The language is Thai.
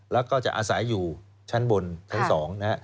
แล้วก็จะอาศัยอยู่ชั้นบนชั้น๒นะครับ